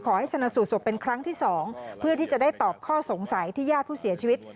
ชนะสูตรศพเป็นครั้งที่สองเพื่อที่จะได้ตอบข้อสงสัยที่ญาติผู้เสียชีวิต